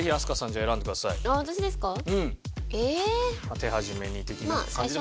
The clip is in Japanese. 手始めに的な感じでも。